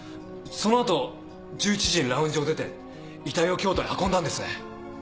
そのあと１１時にラウンジを出て遺体を京都に運んだんですね！？